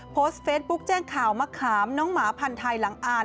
โพสต์เฟซบุ๊กแจ้งข่าวมะขามน้องหมาพันธ์ไทยหลังอ่าน